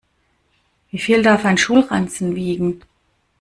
Wie viel darf ein Schulranzen wiegen?